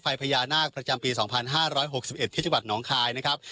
ไฟพญานาคประจำปีสองพันห้าร้อยหกสิบเอ็ดที่จังหวัดหนองคลายนะครับ